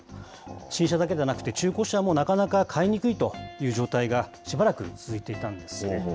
新車だけではなくて、中古車もなかなか買いにくいという状態がしばらく続いていたんですね。